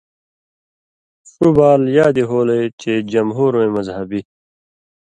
ݜُو بال یادی ہولئ چے جمہوروَیں مذہبی